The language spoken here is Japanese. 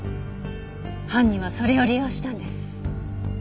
犯人はそれを利用したんです。